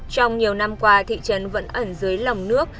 trong nhiều năm qua thị trấn vẫn ẩn dưới lòng nước